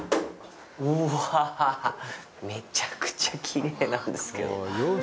うわ、めちゃくちゃきれいなんですけど。